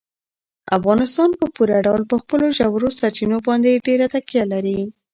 افغانستان په پوره ډول په خپلو ژورو سرچینو باندې ډېره تکیه لري.